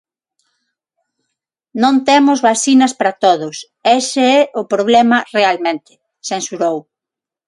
"Non temos vacinas para todos, ese é o problema realmente", censurou.